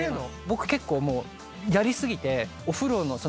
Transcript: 僕結構やり過ぎてお風呂の。